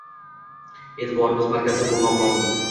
e’tiborimiz markazida bo‘lmog‘i lozim.